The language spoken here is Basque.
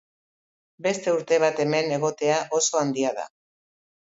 Beste urte bat hemen egotea oso handia da.